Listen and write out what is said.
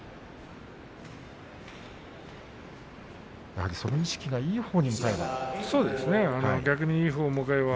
やはり、その意識がいいほうに向かえば。